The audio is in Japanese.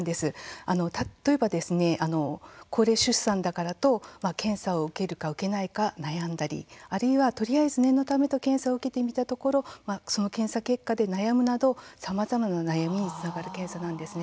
例えば高齢出産だからと検査を受けるか受けないか悩んだりあるいは、とりあえず念のためと検査を受けてみたところその検査結果で悩むなどさまざまな悩みにつながる検査なんです。